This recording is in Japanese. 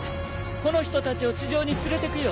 この人たちを地上に連れてくよ。